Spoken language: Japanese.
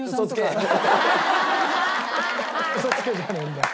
「ウソつけ」じゃねえんだよ。